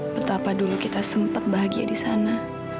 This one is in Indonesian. pertama dulu kita sempat bahagia di sana